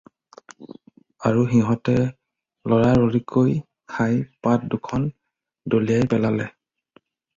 আৰু সিহঁতে ল'ৰালৰিকৈ খাই পাত দুখন দলিয়াই পেলালে।